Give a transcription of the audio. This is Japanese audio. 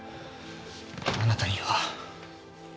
あなたには。